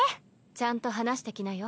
ちゃんと話してきなよ。